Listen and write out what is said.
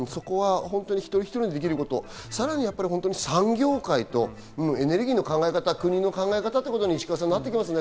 一人一人でできること、さらに産業界とエネルギーの考え方、国の考え方になっていきますね。